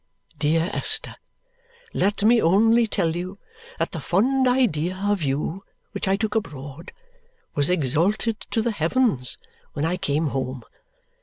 Dear Esther, let me only tell you that the fond idea of you which I took abroad was exalted to the heavens when I came home.